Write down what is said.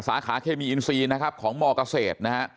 สาขาเคมีอินซีนะครับของมเกษตรนะฮะ